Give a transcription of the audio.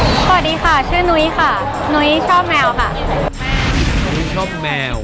สวัสดีค่ะชื่อนุ้ยค่ะนุ้ยชอบแมวค่ะ